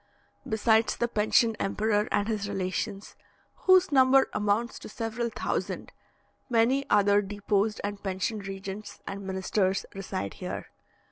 Besides the pensioned emperor and his relations, whose number amounts to several thousand, many other deposed and pensioned regents and ministers reside here.